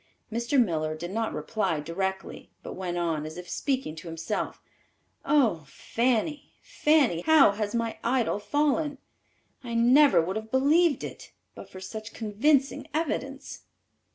Mr. Miller did not reply directly, but went on, as if speaking to himself, "Oh, Fanny, Fanny, how has my idol fallen! I never would have believed it, but for such convincing evidence."